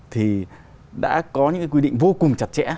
thì đã có những quy định vô cùng chặt chẽ